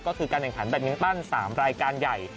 ก็คือการแข่งขันแบตมินตัน๓รายการใหญ่